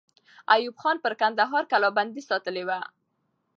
ایوب خان پر کندهار کلابندۍ ساتلې وه.